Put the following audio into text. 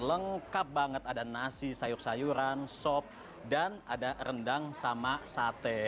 lengkap banget ada nasi sayur sayuran sop dan ada rendang sama sate